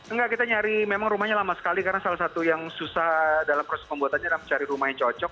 enggak kita nyari memang rumahnya lama sekali karena salah satu yang susah dalam proses pembuatannya adalah mencari rumah yang cocok